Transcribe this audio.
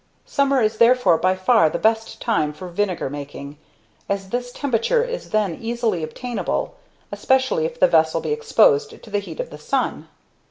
Summer is therefore by far the best time for vinegar making, as this temperature is then easily obtainable, especially if the vessel be exposed to the heat of the sun.